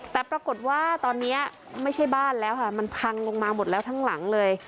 แต่ปรากฏว่าตอนนี้ไม่ใช่บ้านแล้วค่ะมันพังลงมาหมดแล้วทั้งหลังเลย